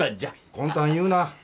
魂胆言うな。